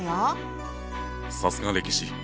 さすが歴史！